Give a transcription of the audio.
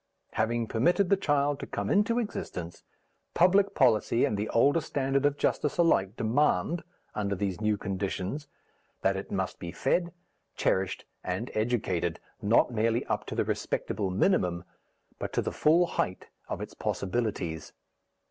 Having permitted the child to come into existence, public policy and the older standard of justice alike demand, under these new conditions, that it must be fed, cherished, and educated, not merely up to a respectable minimum, but to the full height of its possibilities.